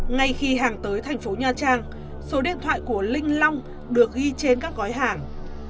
ngay khi hàng tới thành phố nha trang số điện thoại của linh long được ghi trên các gói hàng